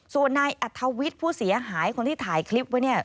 ส่วนนายอัธวิทย์ผู้เสียหายคนที่ถ่ายคลิปไว้เนี่ย